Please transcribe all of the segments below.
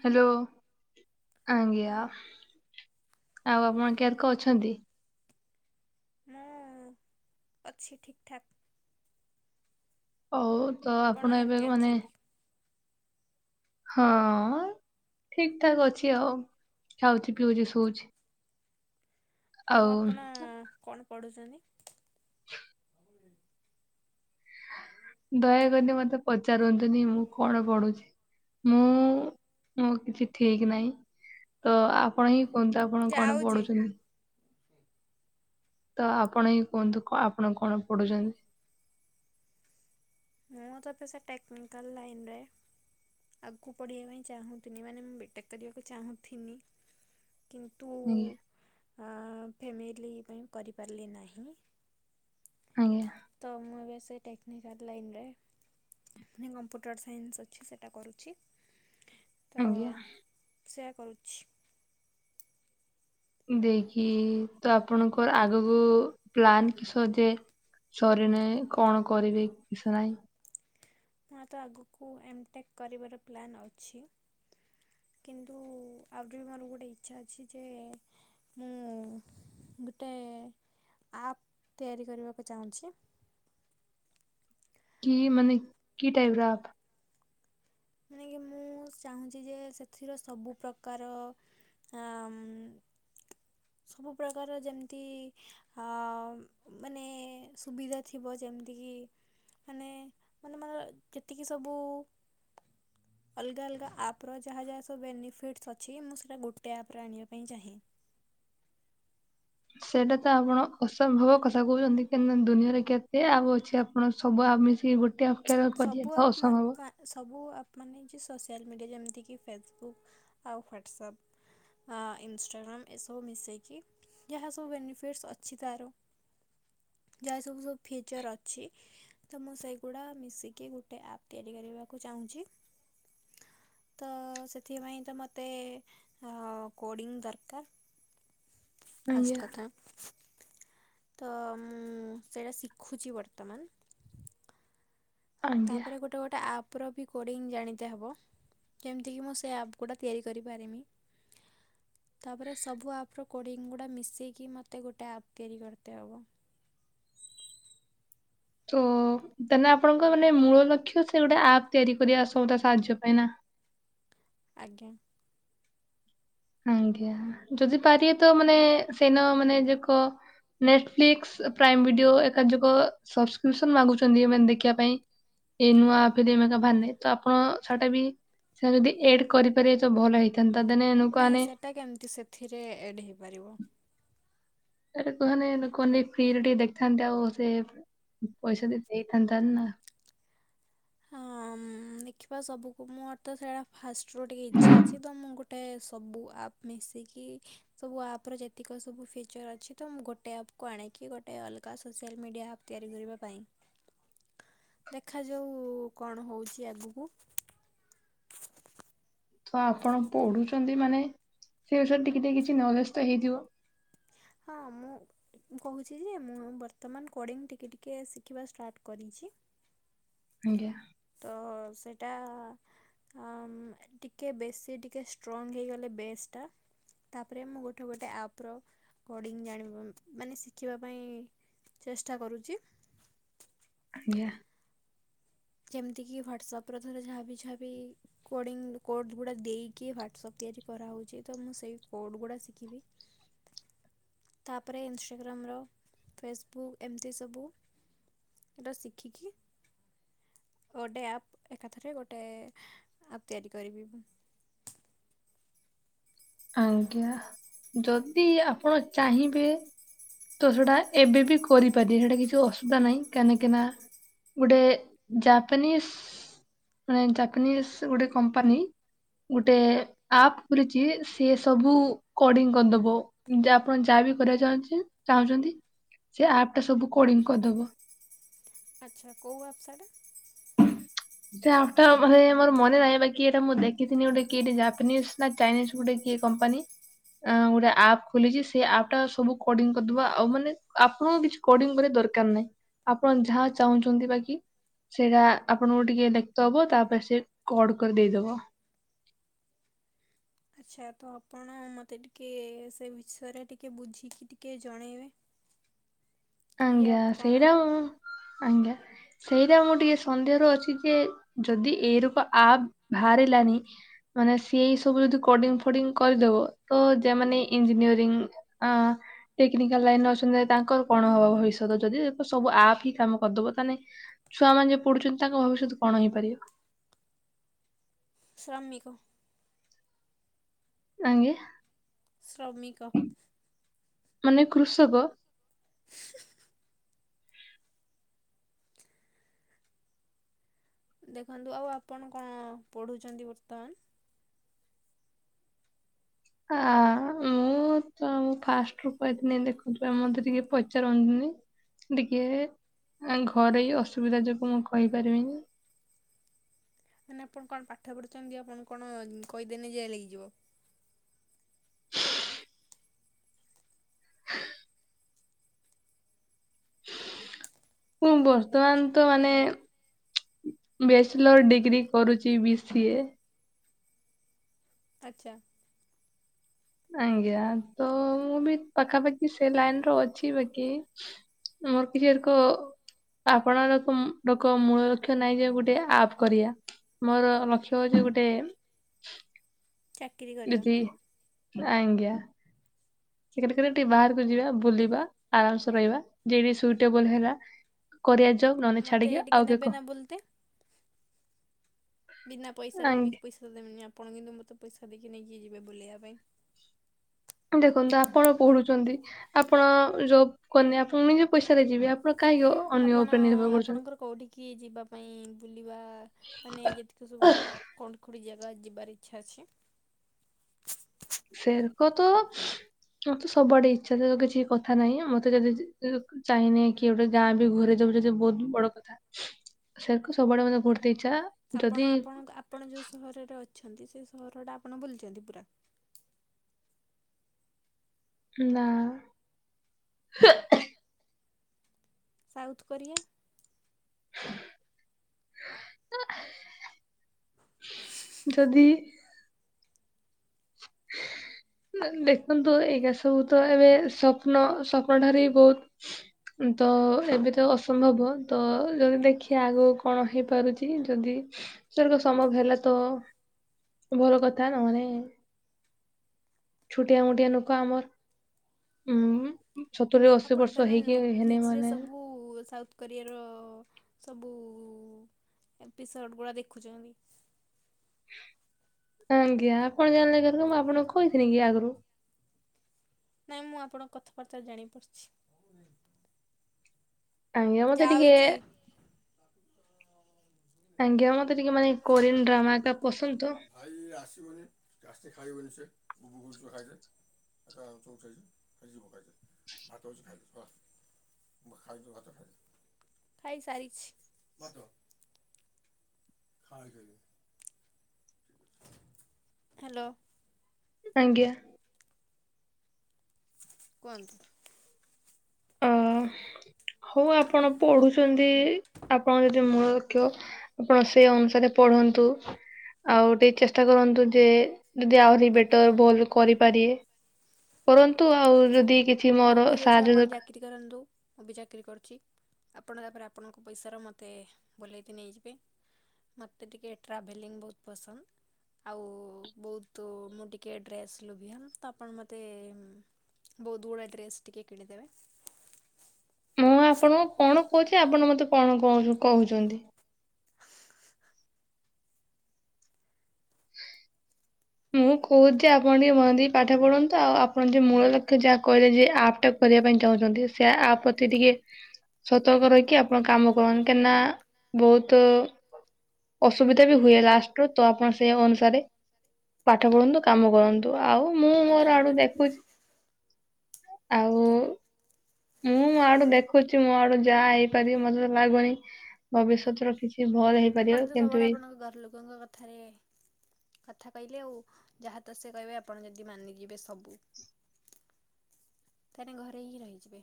Hello ହଁ ଆଜ୍ଞା ଆଉ ଆପଣ କେରକ ଅଛନ୍ତି? ମୁଁ ଅଛି ଠିକ୍ ଠାକ୍। ହଉ ତ ଆପଣ ଏବେ କେମିତି ମାନେ ଅଛନ୍ତି? ହଁ ଠିକ ଠାକ ଅଛି ଆଉ ଖାଉଚି ପିଉଚି ଶୋଉଚି। ଆଉ ଆପଣ କଣ ପଢୁଚନ୍ତି? ହ ଦୟାକରି ମତେ ପଚାରୁନ୍ତୁନି ମୁଁ କଣ ପଢୁଚି। ମୁଁ ମୋ କିଛି ଠିକ ନାହିଁ ତ ଆ ପଣ ହିଁ କୁହନ୍ତୁ ଆପଣ କଣ ଯାଉଛି ପଢୁଚନ୍ତି? ତ ଆପଣ ହିଁ କୁହନ୍ତୁ କ ଆପଣ କଣ ପଢୁଚନ୍ତି? ମୁଁ ତତେ ସେ ଟେକ୍ନିକାଲ ଲାଇନ୍ ରେ ଆଗକୁ ପଢିବା ପାଇଁ ଚାହୁଁଥିନି ମାନେ ମୁଁ ବିଟେକ୍ କରିବାକୁ ଚାହୁଁଥିନି କିନ୍ତୁ ଆଜ୍ଞା। ଆ ଫ୍ୟାମିଲି ପାଇଁ କରିପାରିଲି ନାହିଁ। ଆଜ୍ଞା। ତ ମୁଁ ଏବେ ସେ ଟେକ୍ନିକାଲ୍ ଲାଇନ୍ ରେ ମାନେ କମ୍ପ୍ୟୁଟର ସାଇନ୍ସ ଅଛି ସେଇଟା କରୁଚି। ତ ଆଜ୍ଞା ସେୟା କରୁଚି। ଦେଇକି ତ ଆପଣଙ୍କର ଆଗକୁ ପ୍ଲାନ୍ କିସ ଯେ ସରିଣେ କଣ କରିବେ କିଛ ନାହିଁ। ତା ତ ଆଗକୁ ଏମ ଟେକ କରିବାର ପ୍ଲାନ୍ ଅଛି। କିନ୍ତୁ ଆହୁରି ବି ମୋର ଗୋଟେ ଇଚ୍ଛା ଅଛି ଯେ ମୁଁ ଗୋଟେ ଆପ୍ ତିଆରି କରିବାକୁ ଚାହୁଁଛି। କି ମାନେ କି ଟାଇପର ଆପ୍? ମାନେ କି ମୁଁ ଚାହୁଁଛି ଯେ ସେଥିର ସବୁ ପ୍ରକାର ଆମ୍ ସବୁ ପ୍ରକାର ଯେମତି ଆ ଅ ମାନେ ସୁବିଧା ଥିବ ଯେମିତିକି ମାନେ ମାନେ ମାନେ ଯେତିକି ସବୁ ଅଲଗା ଅଲଗା ଆପ୍ ର ଯାହା ଯାହା ସବୁ ବେନିଫିଟ୍ସ୍ ଅଛି ମୁଁ ସେଇଟା ଗୋଟେ ଆପ୍ ରେ ଆଣିବା ପାଇଁ ଚାହେଁ। ସେଇଟା ତ ଆପଣ ଅସମ୍ଭବ କଥା କହୁଛନ୍ତି କେ ଦୁନିଆରେ କେତେ ଆପ ଅଛି। ଆପଣ ସବୁ ଆପ ମିସେଇକି ଗୋଟେ ଆପ କରିବା ସବୁ ତ ଆପ୍ ମା ଅସମ୍ଭବ। ମା ସବୁ ଆପ୍ ମାନେ ଯେ ସୋସିଆଲ୍ ମିଡ଼ିଆ ଯେମିତିକି ଫେସବୁକ୍ ଆଉ ହ୍ୱାଟସଅପ୍। ହଁ ଇନଷ୍ଟାଗ୍ରାମ ଏସବୁ ମିଶେଇକିି ଯାହା ସବୁ ବେନିଫିଟ୍ସ ଅଛି ତାର। ଯାହା ସବୁ ସବୁ ଫିଚର୍ ଅଛି ତ ମୁଁ ସେଇଗୁଡ଼ା ମିଶିକି କି ଗୋଟେ ଆପ୍ ତିଆରି କରିବାକୁ ଚାହୁଁଛି। ତ ସେଥିପାଇଁ ତ ମୋତେ ହଁ କୋଡିଙ୍ଗ ଦରକାର ଆଜ୍ଞା ଫାଷ୍ଟ କଥା। ତ ସେଇଟା ଶିଖୁଛି ବର୍ତ୍ତମାନ। ଆଜ୍ଞା। ତାପରେ ଗୋଟେ ଗୋଟେ ଆପ। ଆପର ବି କୋଡ଼ିଙ୍ଗ ଜାଣିିତ ହବ ଯେମିତିକି ମୁଁ ସେ ଆପ୍ ଗୁଡ଼ା ତିଆରି କରିପାରିମି। ତାପରେ ସବୁ ଆପର କୋଡ଼ିଙ୍ଗ ଗୁଡ଼ା ମିଶେଇକି ମୋତେ ଗୋଟେ ଆପ୍ ତିଆରି କରିତେ ହେବ। ତୁ ତାଲେ ଆପଣଙ୍କ ମାନେ ମୂଳ ଲକ୍ଷ୍ୟ ସେ ଗୋଟେ ଆପ୍ ତିଆରି କରିବା ସଉଦା ସାହାଯ୍ୟ ପାଇଁ ନା। ଆଜ୍ଞା। ଆଜ୍ଞା ଯଦି ପାରିବେ ତ ମାନେ ସେଇଦିନ ମାନେ ଯାକ ନେଟଫ୍ଲିକ୍ସ ପ୍ରାଇମ ଭିଡିଓ ଏକା ଯାକ ସବସ୍କ୍ରିପସନ ମାଗୁଛନ୍ତି ମାନେ ଦେଖିବା ପାଇଁ। ଏଇ ନୂଆ ଆପ ଏକ ଭାନେ ତ ଆପଣ ସେଇଟା ବି ସେଇଟା ଯଦି ଏଡ କରିପାରିବେ ତ ଭଲ ହେଇଥାନ୍ତା ଦେନ୍ ଏଣୁ ନାହିଁ ସେଟା କେମତି ସେଥିରେ ଏଡ଼୍ ହେଇପାରିବ? ଏକା କହନି ଲୋକମାନେ ଫ୍ରିରେ ଟିକେ ଦେଖିଥାନ୍ତେ ଆଉ ସେ ପଇସାଟା ଦେଇଥାନ୍ତା। ହଁ ଦେଖିବା ସବୁକୁ ମୋର ତ ସେଇଟା ଫାଷ୍ଟରୁ ଟିକେ ଇଚ୍ଛା ଅଛି ତ ମୁଁ ଗୋଟେ ଗୋଟେ ସବୁ ଆପ୍ ମିଶିକି ସବୁ ଆପର ଯେତିକି ସବୁ ଫିଚର୍ ଅଛି ତ ମୁଁ ଗୋଟେ ଆପକୁ ଆଣିକି ଗୋଟେ ଅଲଗା ସୋସିଆଲ ମିଡ଼ିଆ ଆପ୍ ତିଆରି କରିବା ପାଇଁ ଦେଖାଯାଉ କଣ ହଉଛି ଆଗକୁ? ତ ଆପଣ ପଢୁଛନ୍ତି ମାନେ ସେ ଅନୁସାରେ ଟିକେ ଟିକେ କିଛି ନଲେଜ ତ ହେଇଥିବ? ହଁ ମୁଁ କହୁଛି ଯେ ମୁଁ ବର୍ତ୍ତମାନ କୋଡ଼ିଙ୍ଗ ଟିକିଏ ଟିକିଏ ଶିଖିବା ଷ୍ଟାର୍ଟ କରିଛି। ଆଜ୍ଞା। ତ ସେଇଟା ହଁ ଟିକେ ବେଶୀ ଟିକେ ଷ୍ଟ୍ରଙ୍ଗ୍ ହେଇଗଲେ ବେସଟା। ତାପରେ ମୁଁ ଗୋଟେ ଗୋଟେ ଆପର କୋଡିଙ୍ଗ ଜାଣିବା ମାନେ ଶିଖିବା ପାଇଁ ଚେଷ୍ଟା କରୁଛି। ଆଜ୍ଞା। ଯେମିତିକି ହ୍ୱାଟସପର ଧର ଯାହାବି ଯାହାବି କୋଡ଼ିଙ୍ଗ କୋଡ଼୍ ଗୁଡ଼ା ଦେଇକି ହ୍ଵାଟ୍ସପ୍ ତିଆରି କରାହେଉଚି ତ ମୁଁ ସେଇ କୋଡ଼୍ ଗୁଡ଼ା ଶିଖିବି। ତାପରେ ଇନଷ୍ଟାଗ୍ରାମର ଫେସବୁକ୍ ଏମିତି ସବୁ ଏଟା ଶିଖିକି ଗୋଟେ ଆପ୍ ଏକାଥରେ ଗୋଟେ ଆପ୍ ତିଆରି କରିବି ମୁଁ। ଆଜ୍ଞା। ଯଦି ଆପଣ ଚାହିଁବେ ତ ସେଇଟା ଏବେ ବି କରିପାରିବେ ସେଇଟା କିଛି ଅସୁବିଧା ନାହିଁ କାନିକିନା ଗୋଟେ ଜାପାନିସ୍ ମାନେ ଜାପାନିସ୍ ଗୋଟେ କମ୍ପାନୀ ଗୋଟେ ଆପ୍ ଖୋଲିଚି ସିଏ ସବୁ କଡିଙ୍ଗ କରିଦବ। ଯା ଆପଣ ଯାହା ବିି କରିବାକୁ ଚାଉଁଚିନ ଚାହୁଁଚନ୍ତି ସେ ଆପ୍ ଟା ସବୁ କୋଡିଂ କରିଦବ। ଆଚ୍ଛା କୋଉ ଆପ ସେଟା? ସେ ଆପ୍ପ ଟା ମାନେ ମୋର ମନେ ନାହିଁ ବାକି ଏଇଟା ମୁ ଦେଖଥିନି ଗୋଟେ କିଏଡେ ଜାପାନିଜ ନା ଚାଇନିଜ୍ ଗୋଟେ କିଏ କମ୍ପାନୀ। ଅ ଗୋଟେ ଆପ୍ ଖୋଲିଚି ସେଇ ଆପ୍ ଟା ସବୁ କଡିଙ୍ଗ କରିଦବା ଆଉ ମାନେ ଆପଣଙ୍କ କିଛି କୋର୍ଡିଙ୍ଗ ବୋଧେ ଦରକାର ନାହିଁ? ଆପଣ ଯାହା ଚାହୁଁଚନ୍ତି ବାକି ସେଇଆ ଆପ୍ ଆପଣଙ୍କୁ ଟିକେ ଦେଖତ ହେବ ତାପରେ ସେ କଡ଼ କରିଦେଇଦେବ। ଆଚ୍ଛା ତ ଆପଣ ମୋତେ ଟିକେ ସେ ବିଷୟରେ ଟିକେ ବୁଝିକି ଟିକେ ଜଣେଇବେ। କି ଆଜ୍ଞା। ଆପ୍ କଣ ସେଇଟା ଉଁ ଆଜ୍ଞା। ସେଇଟା ମୁଁ ଟିକେ ସନ୍ଦେହ ର ଅଛି ଯେ ଯଦି ଏଇ ରପ ଆପ ବାହାରିଲାଣି ମାନେ ସିଏଇ ସବୁ ଯଦି କୋଡିଙ୍ଗ ଫୋଡିଙ୍ଗ କରିଦବ ତ ଯେମାନେ ଇଞ୍ଜିନିୟରିଂ ଅ ଟେକ୍ନିକାଲ ଲାଇନ ରେ ଅଛନ୍ତି ତାଙ୍କର କଣ ହବ ଭବିଷ୍ୟତ ଯଦି ସବୁ ଆପ୍ ହିଁ କାମ କରିଦବ ତାନେ ଛୁଆମାନେ ଯିଏ ପଢୁଚନ୍ତି ତାଙ୍କ ଭବିଷ୍ୟତ କଣ ହେଇପାରିବ? ଶ୍ରମିକ। ଆଜ୍ଞା? ଶ୍ରମିକ। ମାନେ କୃଷକ? ଦେଖନ୍ତୁ ଆଉ ଆପଣ କଣ ପଢ଼ୁଚନ୍ତି ବର୍ତ୍ତମାନ? ଆ ମୁଁ ତମୁଁ ଫାଷ୍ଟରୁ କଇଥୀନି ଦେଖୁଥିଲ ମତେ ଟିକେ ପଚାରରନ୍ତୁନି। ଟିକେ ଘରେ ଏଇ ଅସୁବିଧା ଯୋଗୁ ମୁଁ କହିପାରିବିନି। ମାନେ ଆପଣ କଣ ପାଠ ପଢୁଚନ୍ତି ଆପଣ କଣ କହିଦେନେ ଜେଲ୍ ହେଇଯିବ। ହଁ [unintelligible] ମୁ ବର୍ତ୍ତମାନ ତ ମାନେ ବ୍ୟାଚଲର ଡିଗ୍ରୀ କରୁଚି ବି, ସି, ଏ। ଆଚ୍ଛା। ଆଜ୍ଞା ତ ମୁଁ ବି ପାଖାପାଖି ସେ ଲାଇନ ର ଅଛି। ବାକି [unintelligible] ଆପଣଙ୍କ ରକମ ରକମ ମୂଳ ଲକ୍ଷ୍ୟ ନାଇଁ ଯେ ଗୋଟେ ଆପ୍ କରିବା। ମୋର ଲକ୍ଷ୍ୟ ହୋଉଚି ଗୋଟେ [unintelligible] ବିଜିି ଆଇଜ୍ଞା। ସେ [unintelligible] ବାହାରକୁ ଯିବା ବୁଲିବା ଆରାମସେ ରହିବା ଯିଏବି ସୁଇଟେବୁଲ ହେଲା [unintelligible] ମତେ ଛାଡିକି ଟିକେ ଆଉ କେ ନେବେ କଣ ନା ବୁଲିତେ ବିନା ପଇସାରେ ମୁଁ କିଛି ପଇସା। ଦେବିନି ଆପଣ କିନ୍ତୁ ମୋତେ ପଇସା ଦେଇକି ନେଇକି ଯିବେ ବୁଲିବା ପାଇଁ। ଦେଖନ୍ତୁ ଆପଣ ପଢୁଛନ୍ତି, ଆପଣ ଜବ୍ କନି ଆପଣ ନିଜେ ପଇସାରେ ଯିବେ ଆପଣ କାହିଁକି ଅ, ଆପଣ ଆପଣଙ୍କର କୋଉଁଠିିକି ଯିବା ପାଇଁ ବୁଲିବା ମାନେ ଯେତିକି ଯେତେ ସବୁ କଉଠି କଉଠି ଜାଗା ଯିବାର ଇଚ୍ଛା ଅଛି। ସେରକ ତ ମତେ ସବୁଆଡେ ଇଛା କିଛି କଥା ନାହିଁ ମତେ ଯଦି ଚାହିଁନି କି ଗୋଟେ ଗାଁ ବି ଘୁରେ ଦବ ଯଦି ବହୁତ ବଡ କଥା। ସେରକୁ ସବୁଆଡେ ବୁଲୁତେ ଇଛା ଆପଣ ଆପଣ ଆପଣ ଯେଉଁ ସହରରେ ଅଛନ୍ତି ସେ ସହରଟା ଆପଣ ବୁଲଛନ୍ତି ପୁରା ନା ସାଉଥ୍ କୋରିଆ ଯଦି [inaudible] ଦେଖନ୍ତୁ ଏଇଗା ସବୁ ତ ଏବେ ସ୍ୱପ୍ନ ସ୍ୱପ୍ନ ଠାରୁ ବହୁତ ତ ଏବେ ତ ଅସମ୍ଭବ ତ ଯଦି ଦେଖିବା ଆଗକୁ କଣ ହେଇପାରୁଛି। ଯଦି ସେରକମ୍ ସମ୍ଭବ ହେଲା ତ ଭଲ କଥା ନହେଲେ ଛୋଟିଆ ମୋଟିଆ ଲୋକ ଆମର ଉଁ ସତୁରି ଅଶୀ ଆପଣ ବର୍ଷ ତାଲେ ହେଇକି ହେନି ନେଟଫ୍ଲିକ୍ସ ରେ ମାନେ ସବୁ ସାଉର୍ଥ କୋରିଆର ସବୁ ଏପିସୋଡ଼ ଗୁଡ଼ା ଦେଖୁଛନ୍ତି। ଆଜ୍ଞା ଆପଣ ଜାଣିଲେ କେମିତି ମୁଁ ଆପଣଙ୍କୁ କହିିଥିଲି କି ଆଗରୁ ନାଇଁ ମୁଁ ଆପଣଙ୍କ କଥାବାର୍ତ୍ତା ଜାଣି ପାରୁଛି ଆଜ୍ଞା ମତେ ଟିକେ ଯାଉଛି ଆଜ୍ଞା ମତେ ଟିକେ ମାନେ କୋରିଆନ ଡ୍ରାମା ଟା ପସନ୍ଦ ତ ଭାଇ ଆସିବନି ଗାଷତି ଖାଇବ ନି ସେ ଗୁବୁ ଗୁୁ ଖାଇଵେ [unintelligible] ଖାଇ ଖାଇସାରିଛି। ଖାଇ ସାଇଲେ ହ୍ୟାଲୋ ଆଜ୍ଞା କୁହନ୍ତି ଅ [inaudible] ହଉ ଆପଣ ପଢୁଛନ୍ତି ଆପଣଙ୍କ ଯଦି ମୂଳ ଲକ୍ଷ। ଆପଣ ସେ ଅନୁସାରେ ପଢନ୍ତୁ। ଆଉ ଟିକେ ଚେଷ୍ଟା କରନ୍ତୁ ଯେ ଯଦି ଆହୁରି ବେଟର ଭଲ୍ କରିପାରିବେ କରନ୍ତୁ ଆଉ ଯଦି କିଛି ମୋର ସାହାଯ୍ୟ ଦରକାର ପ୍ରତି କରନ୍ତୁ ମୁଁ ବି ଚାକିରି କରିଛି। ଆପଣ ତାପରେ ଆପଣଙ୍କ ପଇସାର ମୋତେ ବୁଲେଇତେ ନେଇଯିବେ। ମୋତେ ଟିକେ ଟ୍ରାଭେଲିଂ ବହୁତ ପସନ୍ଦ ଆଉ ବହୁତ ମୁଁ ଟିକିଏ ଡ୍ରେସ୍ ଲୋଭି ହେଲା ତ ଆପଣ ମୋତେ ବହୁତ ଗୁଡ଼ାଏ ଡ୍ରେସ୍ ଟିିକେ କିଣିଦେବେ ମୁଁ ଆପଣଙ୍କୁ କଣ କହୁଛି ଆପଣ ମତେ କଣ କହୁ କହୁଛନ୍ତି। ମୁଁ କହୁଛି ଆପଣ ଟିକେ ମନ ଦେଇକି ପାଠ ପଢ଼ନ୍ତୁ ଆଉ ଆପଣ ଯ ମୂଳ ଲକ୍ଷ୍ୟ ଯାହା କହିଲେ ଯେ ଆପ୍ ଟା କରିବା ପାଇଁ ଚାହୁଁଛନ୍ତି ସେ ଆପତି ଟିକେ ସତର୍କ ରହିକି ଆପଣ କାମ କରନ୍ତି କାହିଁକିନା ବହୁତ, ଅସୁବିଧା ବି ହୁଏ ଲାଷ୍ଟ ର ତ ଆପଣ ସେଇ ଅନୁସାରେ ପାଠ ପଢନ୍ତୁ କାମ କରନ୍ତୁ ଆଉ। ମୁଁ ଆଜ୍ଞା ମୋର ଆଡୁ ମ୍ୟାଡ଼ାମ୍ ଦେଖୁଛି। ଆଜ୍ଞା। ମୁଁଁ ମୋ ଆଡେ ଦେଖୁଛି ମୋ ଆଡ଼ୁଯାହା ହେଇପାରିବ ମତେ ତ ଲାଗୁନି ଭବିଷ୍ୟତ ର କିଛି ଭରେ ଆପଣ ତ ସବୁବେଳେ ଆପଣଙ୍କ ଘର ଲୋକଙ୍କ କଥାରେ କଥା କହିଲେ ଆଉ ଯାହା ତ ସେ କହିବେ ଆପଣ ଯଦି ମାନିଯିବେ ସବୁ। ସେମାନେ ଘରେ ହିଁ ରହିଯିବେ।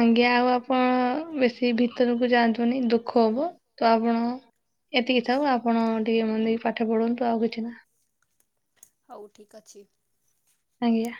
ଆଜ୍ଞା ଆଉ ଆପଣ ବେଶୀ ଭିତରକୁ ଯାଆନ୍ତୁନି ଦୁଃଖ ହବ ତ ଆପଣ। ଏତିକି ଥାଉଆପଣ ଟିକେ ମନଦେଇକି ପାଠ ପଢନ୍ତୁ ଆଉ କିଛି ନା ହଉ ଠିକ୍ ଅଛି। ଆଜ୍ଞା।